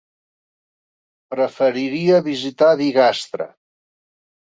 Preferiria visitar Bigastre.